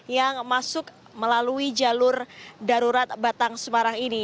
yang masuk melalui jalur darurat batang semarang ini